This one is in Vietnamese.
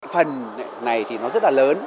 phần này thì nó rất là lớn